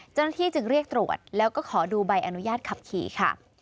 เจ้าหน้าที่จึงเรียกตรวจแล้วก็ขอดูใบอนุญาตขับขี่ค่ะ